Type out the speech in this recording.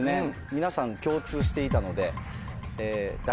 皆さん共通していたので。